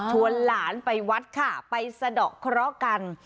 หลานไปวัดค่ะไปสะดอกเคราะห์กัน